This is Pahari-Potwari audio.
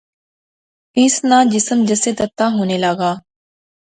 اس ناں جسم جثہ تتا ہونے لاغآ